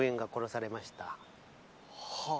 はあ。